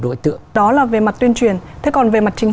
đối tượng đó là về mặt tuyên truyền thế còn về mặt chính